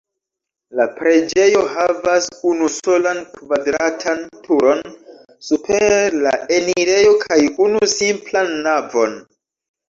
La preĝejo havas unusolan kvadratan turon super la enirejo kaj unu simplan navon.